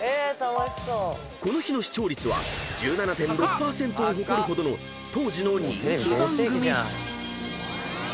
［この日の視聴率は１７．６％を誇るほどの当時の人気番組］